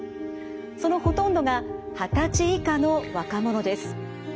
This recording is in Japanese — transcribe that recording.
そのほとんどが二十歳以下の若者です。